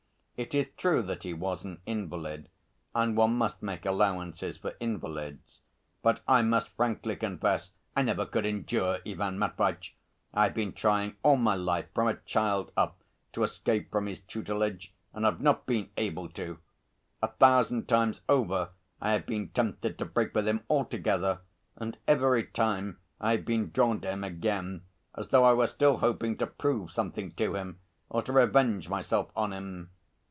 It is true that he was an invalid and one must make allowances for invalids; but I must frankly confess, I never could endure Ivan Matveitch. I have been trying all my life, from a child up, to escape from his tutelage and have not been able to! A thousand times over I have been tempted to break with him altogether, and every time I have been drawn to him again, as though I were still hoping to prove something to him or to revenge myself on him.